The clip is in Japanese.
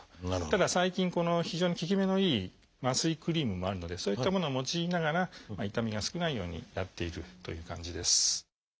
ただ最近非常に効き目のいい麻酔クリームもあるのでそういったものを用いながら痛みが少ないようにやっているという感じです。